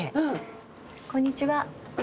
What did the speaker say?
こんにちは。